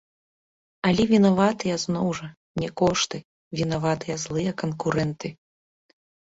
Але вінаватыя, зноў жа, не кошты, вінаваты злыя канкурэнты.